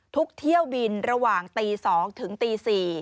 เที่ยวบินระหว่างตี๒ถึงตี๔